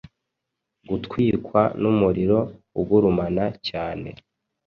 Gutwikwa numuriro ugurumana cyane